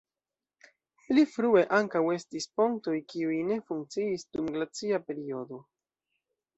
Pli frue ankaŭ estis pontoj, kiuj ne funkciis dum glacia periodo.